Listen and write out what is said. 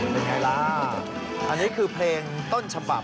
เป็นไงล่ะอันนี้คือเพลงต้นฉบับ